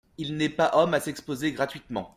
Il n'est pas homme à s'exposer gratuitement.